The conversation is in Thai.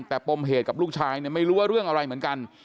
แต่ปมเหตุกับลูกชายเนี่ยไม่รู้ว่าเรื่องอะไรเหมือนกัน